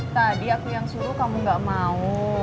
tadi aku yang suruh kamu gak mau